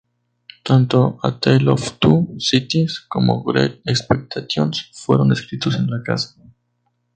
Tanto "A Tale of Two Cities" como "Great Expectations", fueron escritos en la casa.